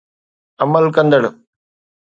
عمل ڪندڙ